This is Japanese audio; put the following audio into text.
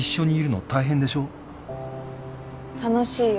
楽しいよ。